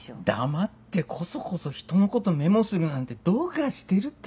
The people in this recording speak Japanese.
黙ってこそこそ人のことメモするなんてどうかしてるって。